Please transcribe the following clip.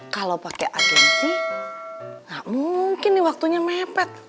kalau pake agensi gak mungkin nih waktunya mepet